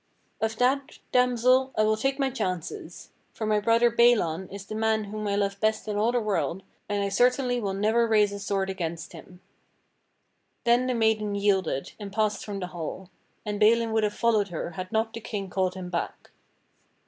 "Of that. Damsel, I will take my chances; for my brother Balan is the man whom I love best in all the world, and I certainly will never raise a sword against him." Then the maiden yielded and passed from the hall; and Balin would have followed her had not the King called him back.